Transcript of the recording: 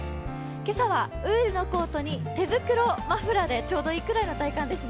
今朝はウールのコートに手袋、マフラーでちょうどいいくらいの体感ですね。